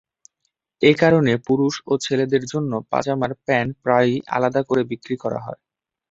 এ কারণে পুরুষ ও ছেলেদের জন্য পাজামার প্যান্ট প্রায়ই আলাদা করে বিক্রি করা হয়।